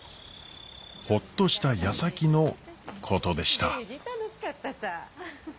ホッとしたやさきのことでした。